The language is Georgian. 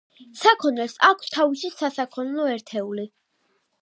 საქონელს აქვს თავისი სასაქონლო ერთეული.